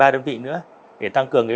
hai ba đơn vị nữa để tăng cường